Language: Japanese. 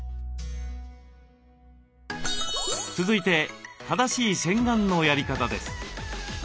続いて正しい洗顔のやり方です。